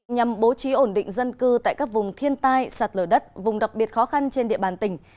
nhằm bố trí ổn định dân cư tại các vùng thiên tai sạt lở đất vùng đặc biệt khó khăn trên địa bàn tỉnh